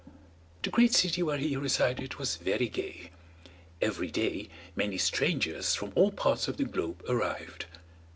The great city where he resided was very gay; every day many strangers from all parts of the globe arrived.